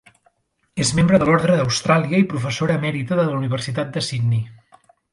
És membre de l’Orde d’Austràlia i professora emèrita de la Universitat de Sydney.